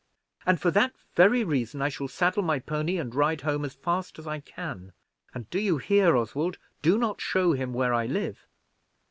"And for that very reason I shall saddle my pony and ride home as fast as I can; and, do you hear, Oswald, do not show him where I live."